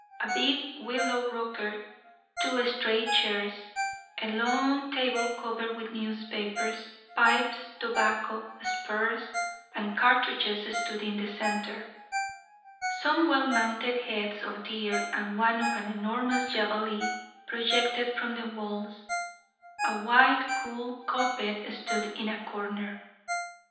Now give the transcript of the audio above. A big willow rocker, two straight chairs, a long table covered with newspapers, pipes, tobacco, spurs, and cartridges stood in the centre. Some well mounted heads of deer and one of an enormous black javeli projected from the walls. A wide, cool cot bed stood in a corner.